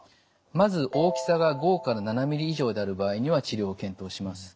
まず大きさが５７ｍｍ以上である場合には治療を検討します。